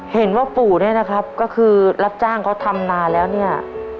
ปู่เนี่ยนะครับก็คือรับจ้างเขาทำนานแล้วเนี่ย